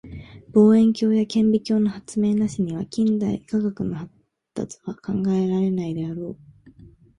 望遠鏡や顕微鏡の発明なしには近代科学の発達は考えられないであろう。